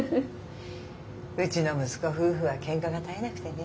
うちの息子夫婦はけんかが絶えなくてね。